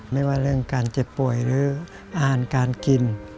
ไม่ว่าเรื่องการเจ็บป่วยหรืออาหารการกิน